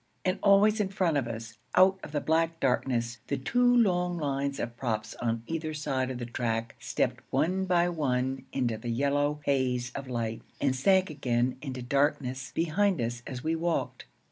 And always in front of us, out of the black darkness, the two long lines of props on either side of the track stepped one by one into the yellow haze of light and sank again into darkness behind us as we walked.